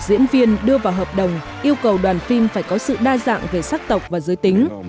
tuy nhiên một diễn viên đưa vào hợp đồng yêu cầu đoàn phim phải có sự đa dạng về sắc tộc và giới tính